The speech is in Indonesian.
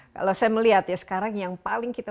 kalau saya melihat ya sekarang yang paling kita